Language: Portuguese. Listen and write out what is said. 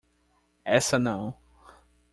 Essa não!